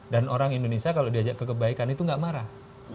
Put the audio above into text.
dan orang indonesia kalau diajak kebaikan itu nggak marah